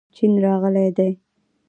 چین راغلی دی.